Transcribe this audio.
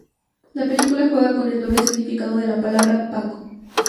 La película juega con el doble significado de la palabra "Paco".